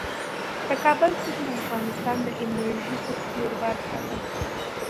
د کابل سیند د افغانستان د انرژۍ سکتور برخه ده.